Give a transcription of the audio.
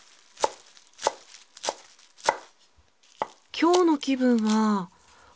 今日の気分は和？洋？